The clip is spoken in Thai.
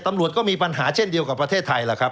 ตำรวจก็มีปัญหาเช่นเดียวกับประเทศไทยล่ะครับ